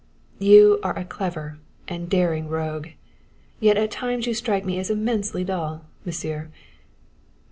"You are a clever and daring rogue, yet at times you strike me as immensely dull, Monsieur.